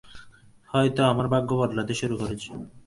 হয়তো আমার ভাগ্য বদলাতে শুরু করেছে।